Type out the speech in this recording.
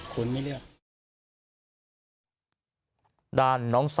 ขึ้น